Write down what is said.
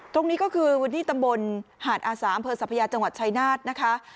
ตรงนี้ก็คือวันที่ตำบลหาดอาสาอำเภอสัพยาจังหวัดชายนาฏนะคะ